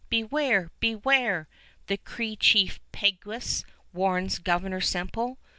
Beware! Beware!" the Cree chief Peguis warns Governor Semple.